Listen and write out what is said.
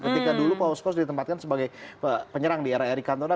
ketika dulu paul scholes ditempatkan sebagai penyerang di era eric cantona